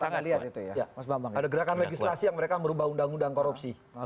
ada gerakan legislasi yang mereka merubah undang undang korupsi